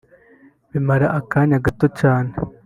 bimara akanya gato cyane